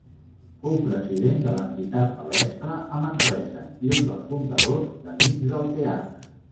Fou president de l'entitat Palestra a Manresa i un dels fundadors d'Amics del Teatre.